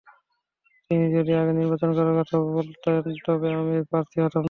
তিনি যদি আগে নির্বাচন করার কথা বলতেন, তবে আমি প্রার্থী হতাম না।